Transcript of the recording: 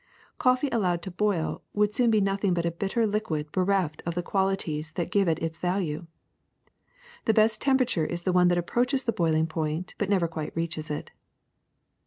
Coffee allowed to boil would soon be nothing but a bitter liquid bereft of the quali ties that give it its value. The best temperature is the one that approaches the boiling point but never quite reaches it.